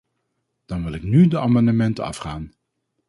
Dan wil ik nu de amendementen afgaan.